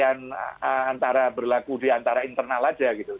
antara berlaku diantara internal aja gitu